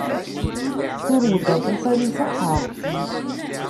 Turew-d aṭufan iṣeḥḥa.